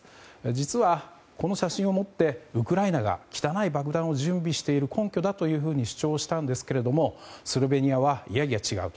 実はこの写真をもってウクライナが汚い爆弾を準備している根拠だと主張したんですがスロベニアは、いやいや違う。